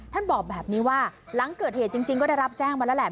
บอกแบบนี้ว่าหลังเกิดเหตุจริงก็ได้รับแจ้งมาแล้วแหละ